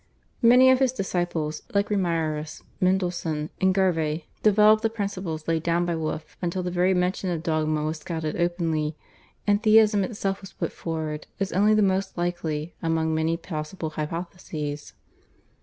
Many of his disciples like Remiarus, Mendelssohn, and Garve developed the principles laid down by Wolf until the very mention of dogma was scouted openly, and Theism itself was put forward as only the most likely among many possible hypotheses.